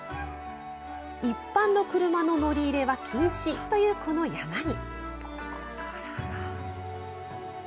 一般の車の乗り入れは禁止というこの山に。